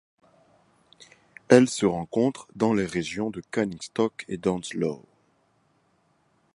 Elle se rencontre dans les régions de Canning Stock et d'Onslow.